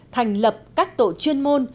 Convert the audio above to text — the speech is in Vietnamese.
thành lập các tổ chuyên môn